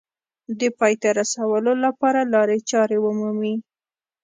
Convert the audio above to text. د پای ته رسولو لپاره لارې چارې ومومي